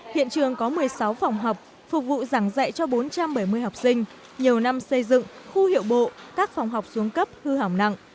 hiện trường có một mươi sáu phòng học phục vụ giảng dạy cho bốn trăm bảy mươi học sinh nhiều năm xây dựng khu hiệu bộ các phòng học xuống cấp hư hỏng nặng